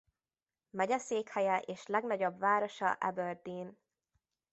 Megyeszékhelye és legnagyobb városa Aberdeen.